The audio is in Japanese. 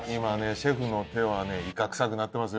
シェフの手はいかくさくなってますよ